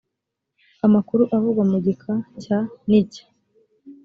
amakuru avugwa mu gika cya n icya